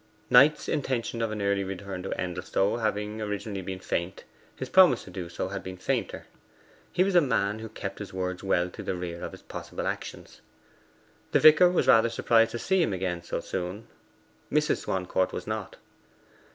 Knight's intention of an early return to Endelstow having originally been faint, his promise to do so had been fainter. He was a man who kept his words well to the rear of his possible actions. The vicar was rather surprised to see him again so soon: Mrs. Swancourt was not.